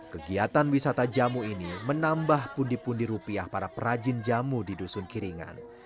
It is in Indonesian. kegiatan wisata jamu ini menambah pundi pundi rupiah para perajin jamu di dusun kiringan